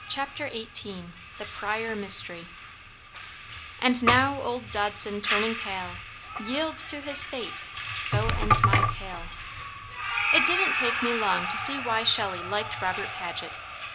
CHAPTER XVIII The Pryor Mystery "And now old Dodson, turning pale, Yields to his fate so ends my tale." It didn't take me long to see why Shelley liked Robert Paget.